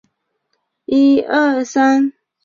现时已经合并为首尔交通公社一部分。